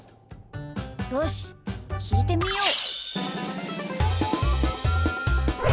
よしきいてみよう！